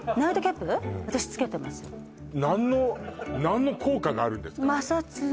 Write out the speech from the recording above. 何の何の効果があるんですか？